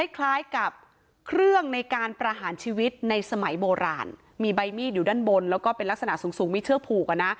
คล้ายกับเครื่องในการประหารชีวิตในสมัยโบราณมีใบมีดอยู่ด้านบนแล้วก็เป็นลักษณะสูงสูงมีเชือกผูกอ่ะนะ